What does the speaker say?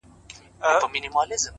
د وخت درناوی د ژوند درناوی دی!